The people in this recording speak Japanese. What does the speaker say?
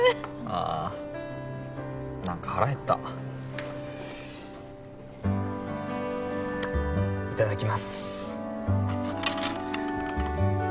あ何か腹へったいただきます